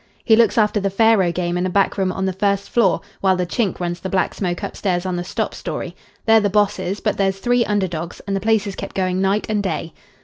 He looks after the faro game in a back room on the first floor, while the chink runs the black smoke upstairs on the stop storey. They're the bosses, but there's three under dogs, and the place is kept going night and day."